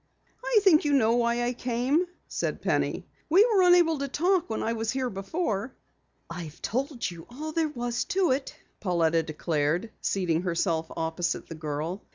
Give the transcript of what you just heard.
"I think you know why I came," said Penny. "We were unable to talk when I was here before." "I've told you all there was to it," Pauletta declared, seating herself opposite the girl.